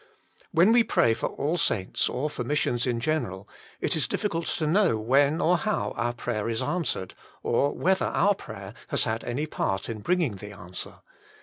When we pray for all saints, or for missions in general, it is difficult to know when or how our prayer is answered, or whether our prayer has had any part in bringing the answer.